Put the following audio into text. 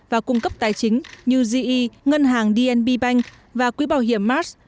và cung cấp tài chính như ge ngân hàng dnb bank và quỹ bảo hiểm mars